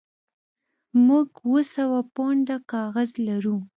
موږ اوه سوه پونډه کاغذ لرو